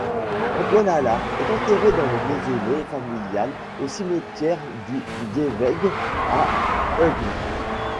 Antoine Allard est enterré dans le mausolée familial au cimetière du Dieweg à Uccle.